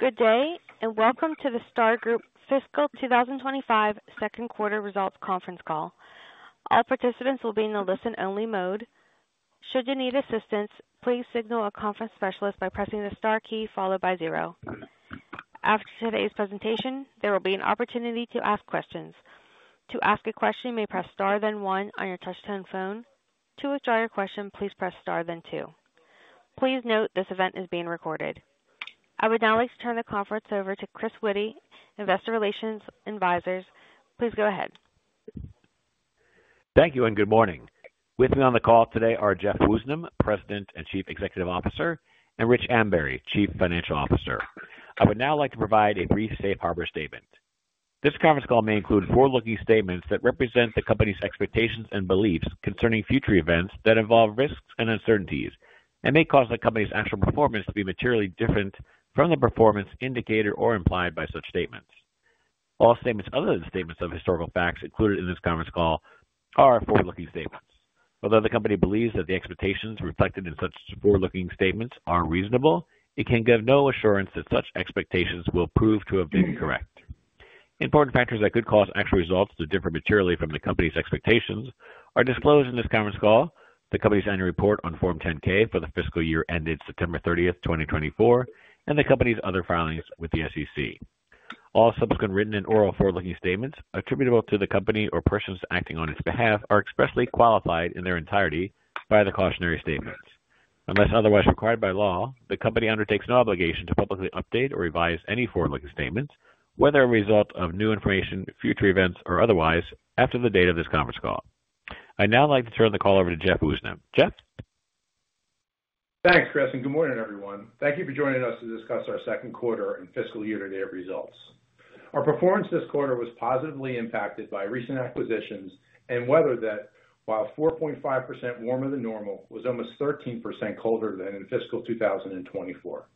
Good day, and welcome to the Star Group Fiscal 2025 Second Quarter Results Conference Call. All participants will be in the listen-only mode. Should you need assistance, please signal a conference specialist by pressing the star key followed by zero. After today's presentation, there will be an opportunity to ask questions. To ask a question, you may press star then one on your touch-tone phone. To withdraw your question, please press star then two. Please note this event is being recorded. I would now like to turn the conference over to Chris Witty, Investor Relations Advisor. Please go ahead. Thank you, and good morning. With me on the call today are Jeff Woosnam, President and Chief Executive Officer, and Rich Ambury, Chief Financial Officer. I would now like to provide a brief safe harbor statement. This conference call may include forward-looking statements that represent the company's expectations and beliefs concerning future events that involve risks and uncertainties and may cause the company's actual performance to be materially different from the performance indicated or implied by such statements. All statements other than statements of historical facts included in this conference call are forward-looking statements. Although the company believes that the expectations reflected in such forward-looking statements are reasonable, it can give no assurance that such expectations will prove to have been correct. Important factors that could cause actual results to differ materially from the company's expectations are disclosed in this conference call, the company's annual report on Form 10-K for the fiscal year ended September 30, 2024, and the company's other filings with the SEC. All subsequent written and oral forward-looking statements attributable to the company or persons acting on its behalf are expressly qualified in their entirety by the cautionary statements. Unless otherwise required by law, the company undertakes no obligation to publicly update or revise any forward-looking statements, whether a result of new information, future events, or otherwise, after the date of this conference call. I'd now like to turn the call over to Jeff Woosnam. Jeff? Thanks, Chris, and good morning, everyone. Thank you for joining us to discuss our second quarter and fiscal year-to-date results. Our performance this quarter was positively impacted by recent acquisitions and weather that, while 4.5% warmer than normal, was almost 13% colder than in fiscal 2024.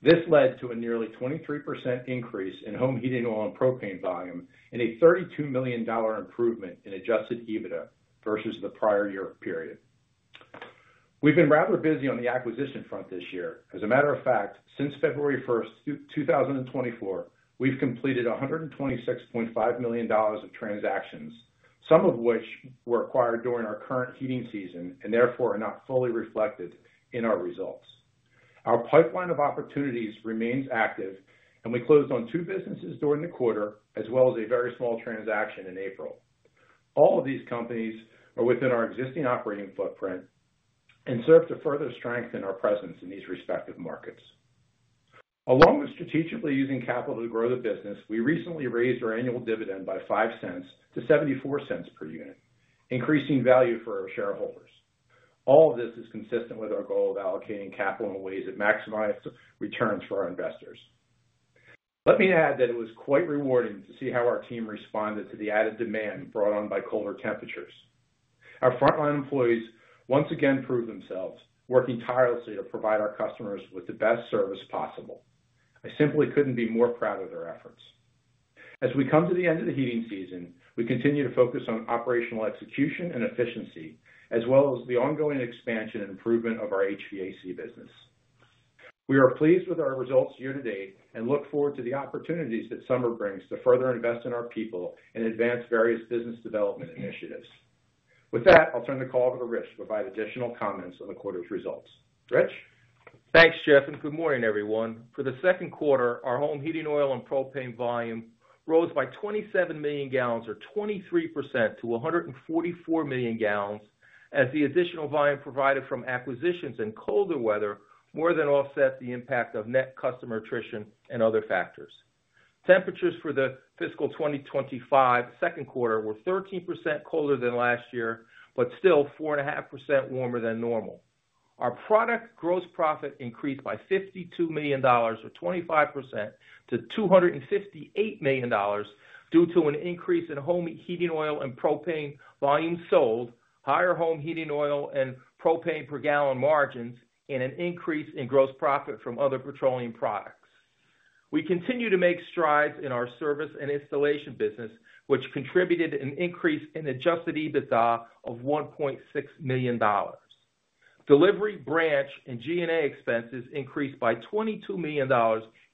This led to a nearly 23% increase in home heating oil and propane volume and a $32 million improvement in adjusted EBITDA versus the prior year period. We've been rather busy on the acquisition front this year. As a matter of fact, since February 1st 2024, we've completed $126.5 million of transactions, some of which were acquired during our current heating season and therefore are not fully reflected in our results. Our pipeline of opportunities remains active, and we closed on two businesses during the quarter, as well as a very small transaction in April. All of these companies are within our existing operating footprint and serve to further strengthen our presence in these respective markets. Along with strategically using capital to grow the business, we recently raised our annual dividend by $0.05 to $0.74 per unit, increasing value for our shareholders. All of this is consistent with our goal of allocating capital in ways that maximize returns for our investors. Let me add that it was quite rewarding to see how our team responded to the added demand brought on by colder temperatures. Our frontline employees once again proved themselves, working tirelessly to provide our customers with the best service possible. I simply couldn't be more proud of their efforts. As we come to the end of the heating season, we continue to focus on operational execution and efficiency, as well as the ongoing expansion and improvement of our HVAC business. We are pleased with our results year to date and look forward to the opportunities that summer brings to further invest in our people and advance various business development initiatives. With that, I'll turn the call over to Rich to provide additional comments on the quarter's results. Rich? Thanks, Jeff, and good morning, everyone. For the second quarter, our home heating oil and propane volume rose by 27 million gal, or 23%, to 144 million gal, as the additional volume provided from acquisitions and colder weather more than offset the impact of net customer attrition and other factors. Temperatures for the fiscal 2025 second quarter were 13% colder than last year, but still 4.5% warmer than normal. Our product gross profit increased by $52 million, or 25%, to $258 million due to an increase in home heating oil and propane volume sold, higher home heating oil and propane per gallon margins, and an increase in gross profit from other petroleum products. We continue to make strides in our service and installation business, which contributed to an increase in adjusted EBITDA of $1.6 million. Delivery, branch, and G&A expenses increased by $22 million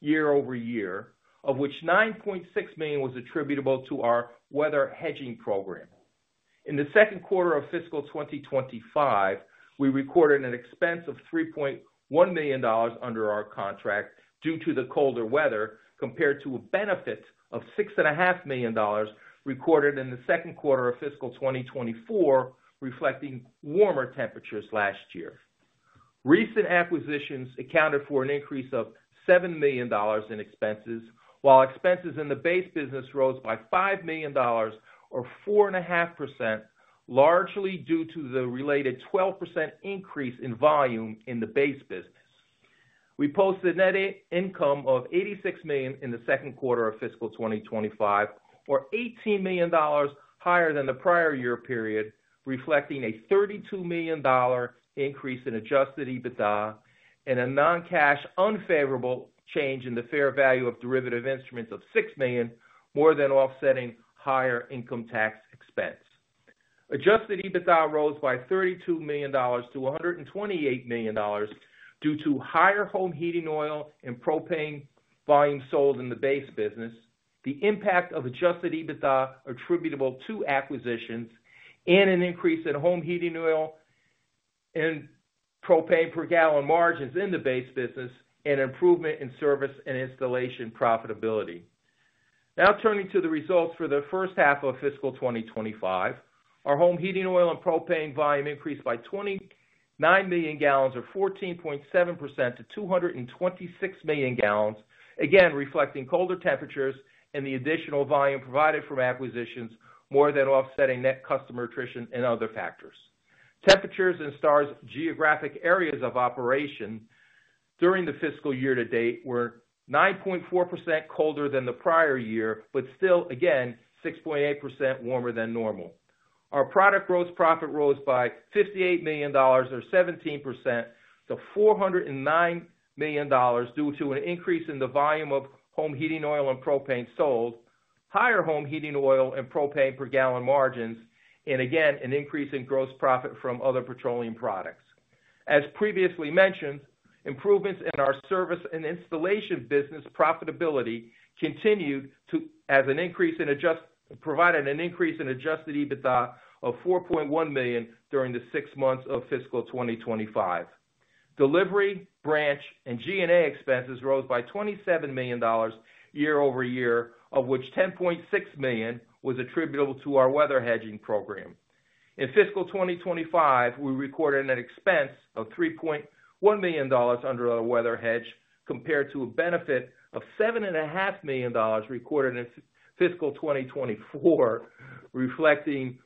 year-over-year, of which $9.6 million was attributable to our weather hedging program. In the second quarter of fiscal 2025, we recorded an expense of $3.1 million under our contract due to the colder weather, compared to a benefit of $6.5 million recorded in the second quarter of fiscal 2024, reflecting warmer temperatures last year. Recent acquisitions accounted for an increase of $7 million in expenses, while expenses in the base business rose by $5 million, or 4.5%, largely due to the related 12% increase in volume in the base business. We posted net income of $86 million in the second quarter of fiscal 2025, or $18 million higher than the prior year period, reflecting a $32 million increase in adjusted EBITDA and a non-cash unfavorable change in the fair value of derivative instruments of $6 million, more than offsetting higher income tax expense. Adjusted EBITDA rose by $32 million to $128 million due to higher home heating oil and propane volume sold in the base business, the impact of adjusted EBITDA attributable to acquisitions, and an increase in home heating oil and propane per gallon margins in the base business, and improvement in service and installation profitability. Now turning to the results for the first half of fiscal 2025, our home heating oil and propane volume increased by 29 million gal, or 14.7%, to 226 million gal, again reflecting colder temperatures and the additional volume provided from acquisitions, more than offsetting net customer attrition and other factors. Temperatures in Star's geographic areas of operation during the fiscal year to date were 9.4% colder than the prior year, but still, again, 6.8% warmer than normal. Our product gross profit rose by $58 million, or 17%, to $409 million due to an increase in the volume of home heating oil and propane sold, higher home heating oil and propane per gallon margins, and again, an increase in gross profit from other petroleum products. As previously mentioned, improvements in our service and installation business profitability continued to, as an increase in adjusted, provided an increase in adjusted EBITDA of $4.1 million during the six months of fiscal 2025. Delivery, branch, and G&A expenses rose by $27 million year-over-year, of which $10.6 million was attributable to our weather hedging program. In fiscal 2025, we recorded an expense of $3.1 million under our weather hedge compared to a benefit of $7.5 million recorded in fiscal 2024, reflecting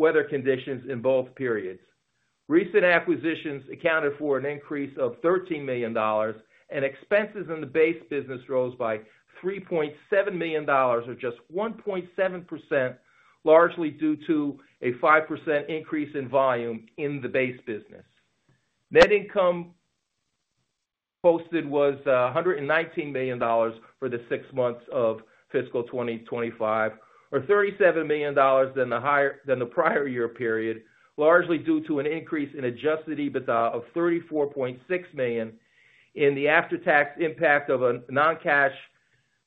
weather conditions in both periods. Recent acquisitions accounted for an increase of $13 million, and expenses in the base business rose by $3.7 million, or just 1.7%, largely due to a 5% increase in volume in the base business. Net income posted was $119 million for the six months of fiscal 2025, or $37 million more than the prior year period, largely due to an increase in adjusted EBITDA of $34.6 million and the after-tax impact of a non-cash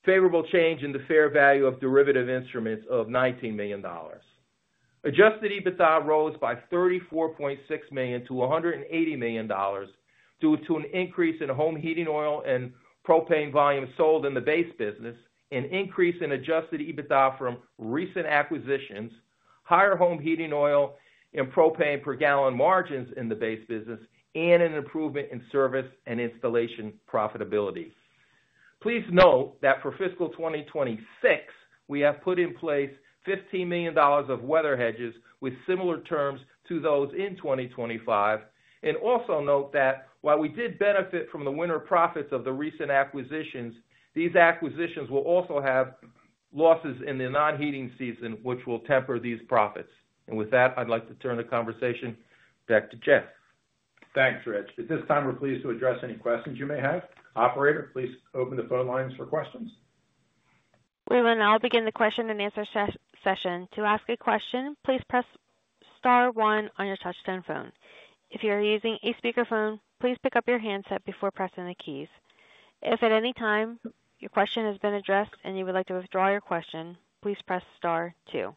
favorable change in the fair value of derivative instruments of $19 million. Adjusted EBITDA rose by $34.6 million to $180 million due to an increase in home heating oil and propane volume sold in the base business, an increase in adjusted EBITDA from recent acquisitions, higher home heating oil and propane per gallon margins in the base business, and an improvement in service and installation profitability. Please note that for fiscal 2026, we have put in place $15 million of weather hedges with similar terms to those in 2025, and also note that while we did benefit from the winter profits of the recent acquisitions, these acquisitions will also have losses in the non-heating season, which will temper these profits. With that, I'd like to turn the conversation back to Jeff. Thanks, Rich. At this time, we're pleased to address any questions you may have. Operator, please open the phone lines for questions. We will now begin the question and answer session. To ask a question, please press star one on your touch-tone phone. If you are using a speakerphone, please pick up your handset before pressing the keys. If at any time your question has been addressed and you would like to withdraw your question, please press star two.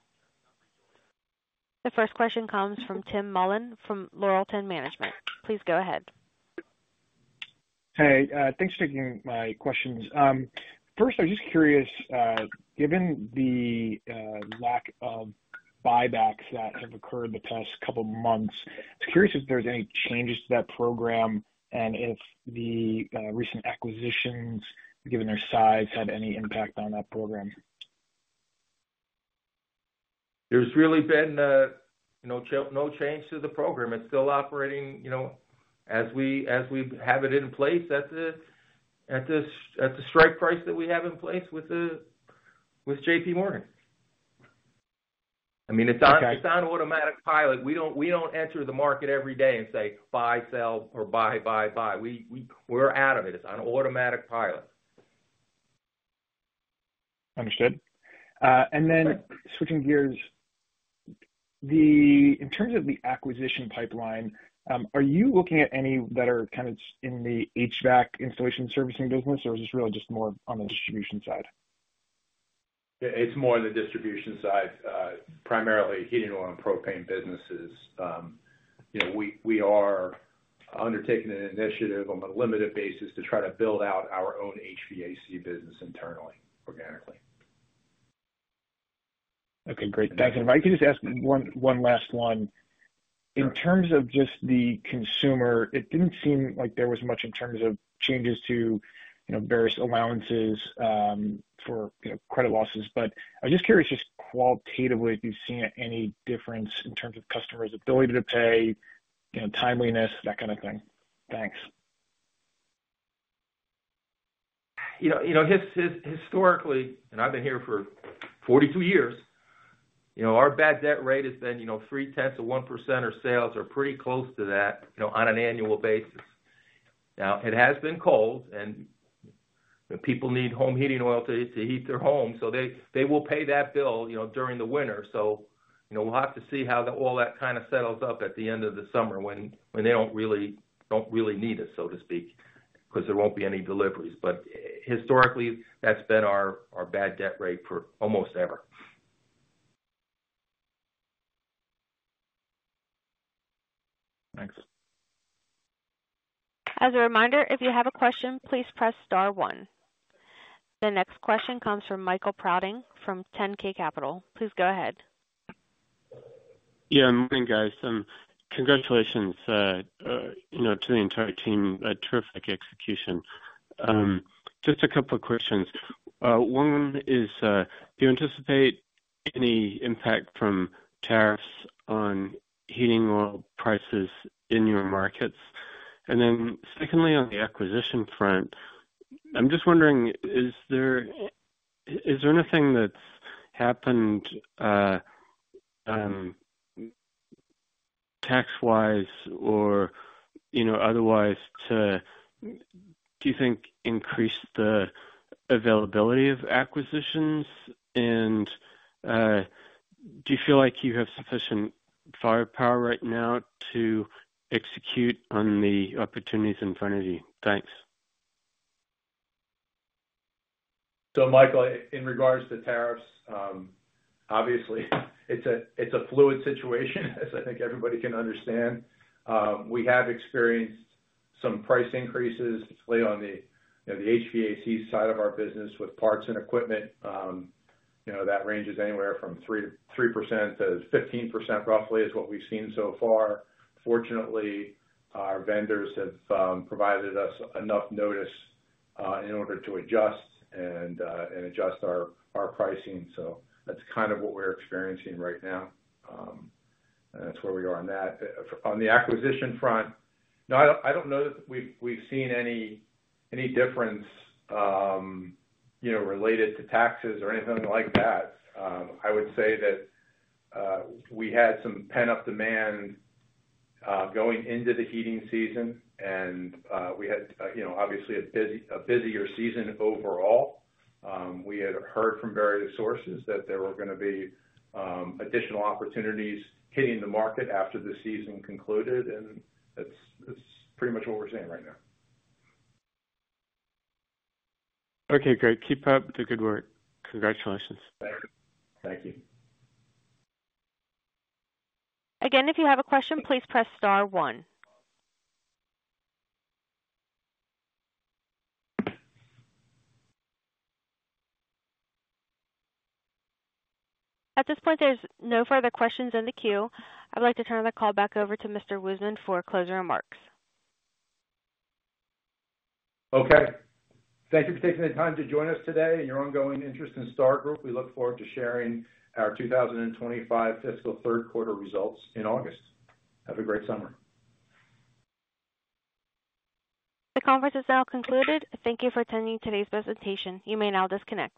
The first question comes from Tim Mullen from Laurelton Management. Please go ahead. Hey, thanks for taking my questions. First, I was just curious, given the lack of buybacks that have occurred the past couple of months, I was curious if there's any changes to that program and if the recent acquisitions, given their size, had any impact on that program? There's really been no change to the program. It's still operating as we have it in place at the strike price that we have in place with JPMorgan. I mean, it's on automatic pilot. We don't enter the market every day and say, "Buy, sell," or, "Buy, buy, buy." We're out of it. It's on automatic pilot. Understood. Switching gears, in terms of the acquisition pipeline, are you looking at any that are kind of in the HVAC installation servicing business, or is this really just more on the distribution side? It's more on the distribution side, primarily heating oil and propane businesses. We are undertaking an initiative on a limited basis to try to build out our own HVAC business internally, organically. Okay, great. Thanks. If I could just ask one last one? In terms of just the consumer, it did not seem like there was much in terms of changes to various allowances for credit losses. I was just curious, just qualitatively, if you have seen any difference in terms of customers' ability to pay, timeliness? That kind of thing. Thanks. Historically, and I've been here for 42 years, our bad debt rate has been three tenths of 1%, or sales are pretty close to that on an annual basis. Now, it has been cold, and people need home heating oil to heat their home, so they will pay that bill during the winter. We will have to see how all that kind of settles up at the end of the summer when they do not really need it, so to speak, because there will not be any deliveries. Historically, that has been our bad debt rate for almost ever. Thanks. As a reminder, if you have a question, please press star one. The next question comes from Michael Prouting from 10K Capital. Please go ahead. Yeah, morning, guys. Congratulations to the entire team. Terrific execution. Just a couple of questions. One is, do you anticipate any impact from tariffs on heating oil prices in your markets? Secondly, on the acquisition front, I'm just wondering, is there anything that's happened tax-wise or otherwise to, do you think, increase the availability of acquisitions? Do you feel like you have sufficient firepower right now to execute on the opportunities in front of you? Thanks. Michael, in regards to tariffs, obviously, it's a fluid situation, as I think everybody can understand. We have experienced some price increases particularly on the HVAC side of our business with parts and equipment. That ranges anywhere from 3%-15%, roughly, is what we've seen so far. Fortunately, our vendors have provided us enough notice in order to adjust and adjust our pricing. That's kind of what we're experiencing right now. That's where we are on that. On the acquisition front, no, I don't know that we've seen any difference related to taxes or anything like that. I would say that we had some pent-up demand going into the heating season, and we had, obviously, a busier season overall. We had heard from various sources that there were going to be additional opportunities hitting the market after the season concluded, and that's pretty much what we're seeing right now. Okay, great. Keep up the good work. Congratulations. Thank you. Again, if you have a question, please press star one. At this point, there's no further questions in the queue. I'd like to turn the call back over to Mr. Woosnam for closing remarks. Okay. Thank you for taking the time to join us today and your ongoing interest in Star Group. We look forward to sharing our 2025 fiscal third quarter results in August. Have a great summer. The conference is now concluded. Thank you for attending today's presentation. You may now disconnect.